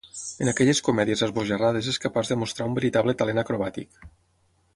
En aquelles comèdies esbojarrades és capaç de mostrar un veritable talent acrobàtic.